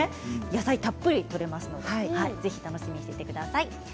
野菜たっぷりめ入れますのでぜひ楽しみにしていてください。